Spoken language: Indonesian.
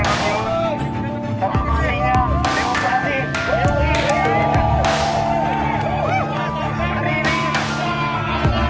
harus harus untuk ditegaskan